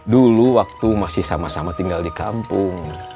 dulu waktu masih sama sama tinggal di kampung